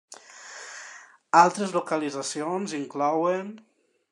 Altres localitzacions inclouen: